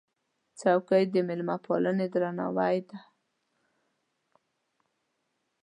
چوکۍ د مېلمهپالۍ درناوی دی.